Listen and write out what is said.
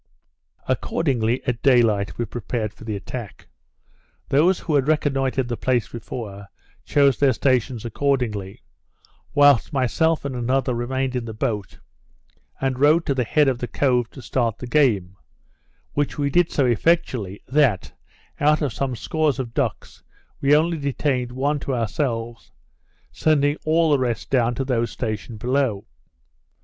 Accordingly, at day light, we prepared for the attack. Those who had reconnoitred the place before, chose their stations accordingly; whilst myself and another remained in the boat, and rowed to the head of the cove to start the game, which we did so effectually, that, out of some scores of ducks, we only detained one to ourselves, sending all the rest down to those stationed below.